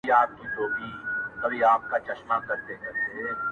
• هم پر شمع، هم پانوس باندي ماښام سو -